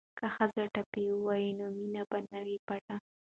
که ښځې ټپې ووايي نو مینه به نه وي پټه.